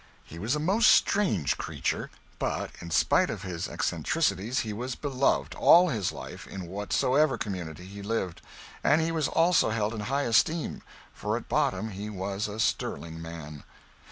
He was a most strange creature but in spite of his eccentricities he was beloved, all his life, in whatsoever community he lived. And he was also held in high esteem, for at bottom he was a sterling man.